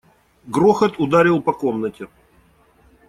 Грохот ударил по комнате.